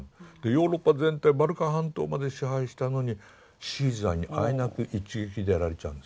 ヨーロッパ全体バルカン半島まで支配したのにシーザーにあえなく一撃でやられちゃうんです。